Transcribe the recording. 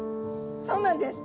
そうなんです。